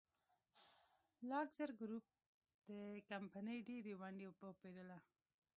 لاکزر ګروپ د کمپنۍ ډېرې ونډې وپېرله.